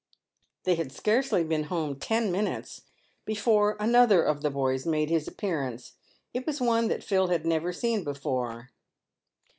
They had scarcely been home ten minutes before another of the boys made his appearance. It was one that Phil had never seen before.